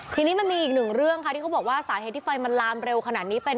ทีนี้มันมีอีกหนึ่งเรื่องค่ะที่เขาบอกว่าสาเหตุที่ไฟมันลามเร็วขนาดนี้เป็น